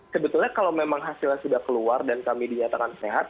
sebetulnya kalau memang hasilnya sudah keluar dan kami dinyatakan sehat